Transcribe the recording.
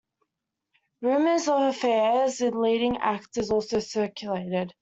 Rumours of affairs with leading actors also circulated.